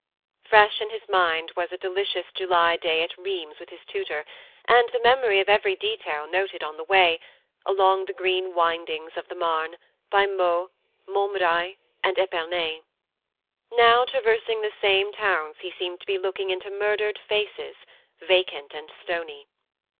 Fresh in his mind was a delicious July day at Rheims with his tutor, and the memory of every detail noted on the way, along the green windings of the Marne, by Meaux, Montmirail and Epernay. Now, traversing the same towns, he seemed to be looking into murdered faces, vacant and stony.